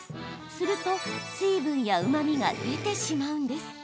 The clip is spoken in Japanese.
すると水分やうまみが出てしまうんです。